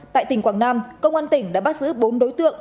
tại tỉnh quảng nam công an tỉnh đã bắt giữ bốn đối tượng